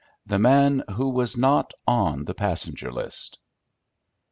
The Man Who was Not on the Passenger List.